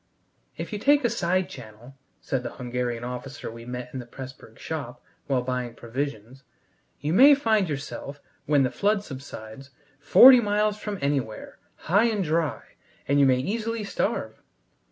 "If you take a side channel," said the Hungarian officer we met in the Pressburg shop while buying provisions, "you may find yourselves, when the flood subsides, forty miles from anywhere, high and dry, and you may easily starve.